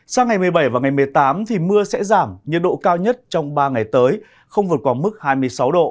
sang ngày một mươi bảy và ngày một mươi tám thì mưa sẽ giảm nhiệt độ cao nhất trong ba ngày tới không vượt qua mức hai mươi sáu độ